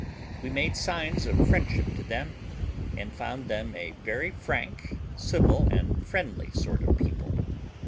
We made signs of friendship to them, and found them a very frank, civil, and friendly sort of people.